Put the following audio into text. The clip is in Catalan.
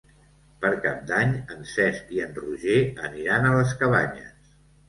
Per Cap d'Any en Cesc i en Roger aniran a les Cabanyes.